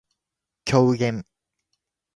狂言